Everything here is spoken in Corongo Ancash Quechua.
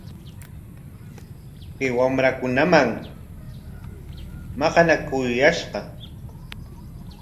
Kay wamrakunam maqanakuyashqa.